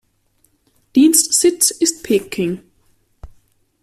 Dienstsitz ist Peking.